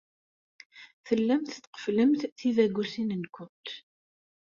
Tellamt tqefflemt tibagusin-nwent.